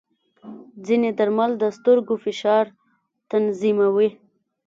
ځینې درمل د سترګو فشار تنظیموي.